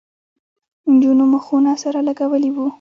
نجونو مخونه سره لگولي وو.